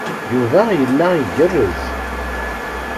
Yuba yella igerrez.